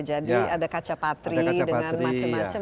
jadi ada kaca patri dengan macam macam